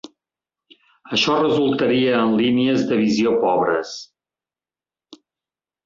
Això resultaria en línies de visió pobres.